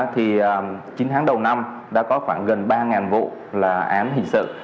thì chín tháng đầu năm đã có khoảng gần ba vụ là án hình sự